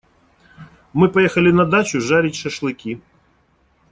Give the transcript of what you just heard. Мы поехали на дачу жарить шашлыки.